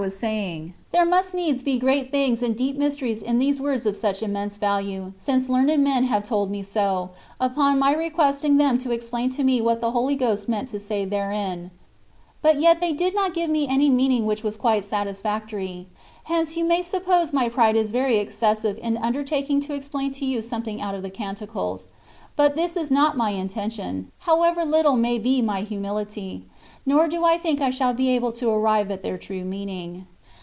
was saying, there must needs be great things and deep mysteries in these words of such immense value, since learned men have told me so, upon my requesting them to ex plain to me what the Holy Ghost meant to say therein ; but yet they did not give any meaning which was quite satisfactory. Hence, you may suppose my pride is very excessive in undertaking to explain to you something out of the " Canti cles /^ but this is not my intention (however little may be my humihty), nor do I think I shall be able to arrive at their true meaning.